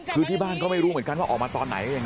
คือที่บ้านก็ไม่รู้เหมือนกันว่าออกมาตอนไหนยังไง